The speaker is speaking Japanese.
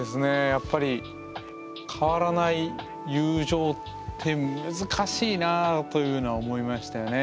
やっぱり変わらない友情って難しいなぁというのは思いましたよね。